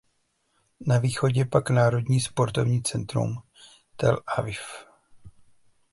Na východě pak Národní sportovní centrum Tel Aviv.